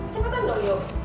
cepetan dong yuk